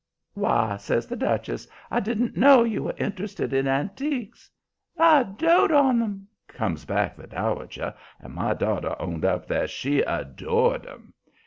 "Why," says the Duchess, "I didn't know you were interested in antiques." "I dote on 'em," comes back the Dowager, and "my daughter" owned up that she "adored" 'em.